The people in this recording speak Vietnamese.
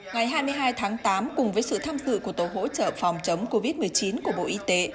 ngày hai mươi hai tháng tám cùng với sự tham dự của tổ hỗ trợ phòng chống covid một mươi chín của bộ y tế